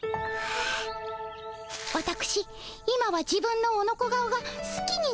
わたくし今は自分のオノコ顔がすきになりました。